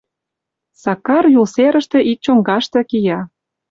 Сакар Юл серыште ик чоҥгаште кия.